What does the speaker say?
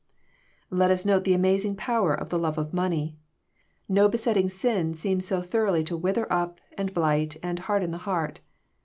Let us note the amazing power of the love of money. No be setting sin seems so thoroughly to wither up and blight and harden the heart.